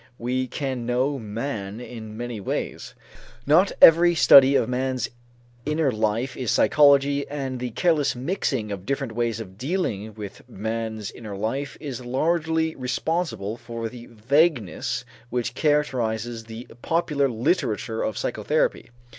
We can know man in many ways. Not every study of man's inner life is psychology and the careless mixing of different ways of dealing with man's inner life is largely responsible for the vagueness which characterizes the popular literature of psychotherapy.